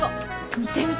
見て見て。